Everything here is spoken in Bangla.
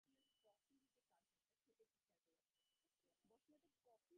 জায়গার অনুমোদনের জন্য কাগজপত্র নিয়ে কয়েক দিনের মধ্যে আমি মন্ত্রণালয়ে যাব।